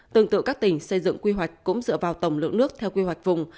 tương tự các tỉnh xây dựng quy hoạch cũng dựa vào tổng lượng nước theo quy hoạch vùng